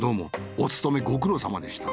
おつとめご苦労さまでした。